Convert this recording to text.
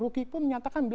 ruki pun menyatakan